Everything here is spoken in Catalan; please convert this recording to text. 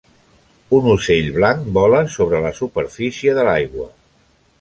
Un ocell blanc vola sobre la superfície de l'aigua.